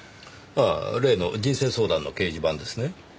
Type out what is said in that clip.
ああ例の人生相談の掲示板ですね。